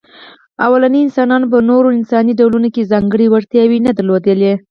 لومړنيو انسانانو په نورو انساني ډولونو کې ځانګړې وړتیا نه درلودلې.